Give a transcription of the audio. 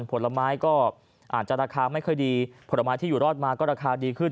ผลไม้ก็อาจจะราคาไม่ค่อยดีผลไม้ที่อยู่รอดมาก็ราคาดีขึ้น